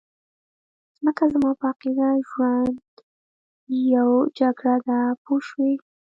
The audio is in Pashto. ځکه زما په عقیده ژوند یو جګړه ده پوه شوې!.